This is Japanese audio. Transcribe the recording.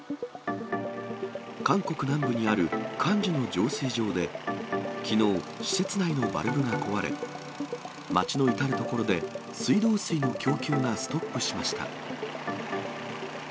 韓国南部にあるクァンジュの浄水場で、きのう、施設内のバルブが壊れ、街の至る所で水道水の供給がストップしました。